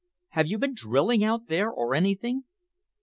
Have you been drilling out there or anything?"